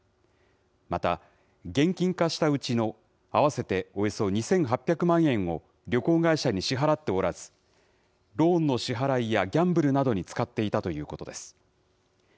また、現金化したうちの合わせておよそ２８００万円を旅行会社に支払っておらず、ローンの支払いやギャンブルなどに使っていたということです。